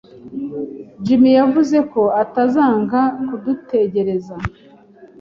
Jim yavuze ko atazanga kudutegereza.